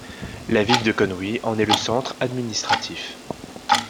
La ville de Conwy en est le centre administratif.